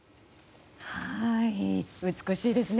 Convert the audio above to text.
美しいですね。